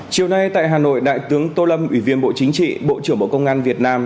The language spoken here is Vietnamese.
chiều nay tại hà nội đại tướng tô lâm ủy viên bộ chính trị bộ trưởng bộ công an việt nam